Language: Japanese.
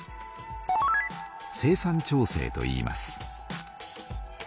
生産調整といいます。